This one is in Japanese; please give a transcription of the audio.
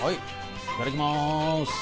いただきます。